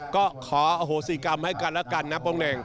ก็ขอโหสิกรรมให้กันและกันนะพร้อมหนึ่ง